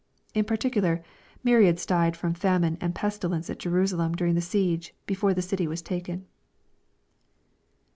In particular, myriads died from famine and pestilence at Jerusalem during the siege, before the dty was taken.